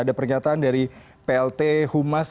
ada pernyataan dari plt humas